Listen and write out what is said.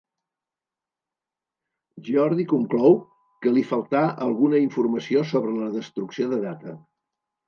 Geordi conclou que li faltar alguna informació sobre la destrucció de Data.